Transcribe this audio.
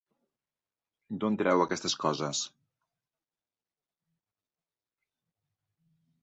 D'on treu aquestes coses?